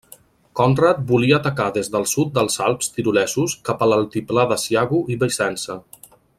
Conrad volia atacar des del sud dels Alps tirolesos cap a l'altiplà d'Asiago i Vicenza.